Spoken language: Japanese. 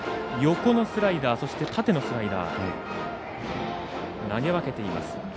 横のスライダー縦のスライダー投げ分けています。